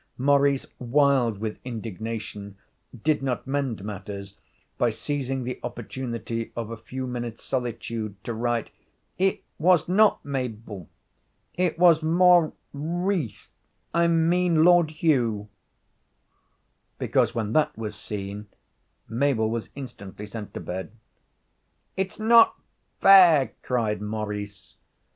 Maurice, wild with indignation, did not mend matters by seizing the opportunity of a few minutes' solitude to write: 'It was not Mabel it was Maur ice I mean Lord Hugh,' because when that was seen Mabel was instantly sent to bed. 'It's not fair!' cried Maurice.